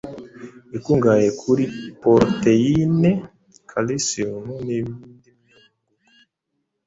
ikungahaye kuri poroteyine, calcium nindi myunyu ngugu,